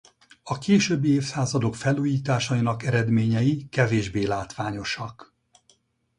A későbbi évszázadok felújításainak eredményei kevésbé látványosak.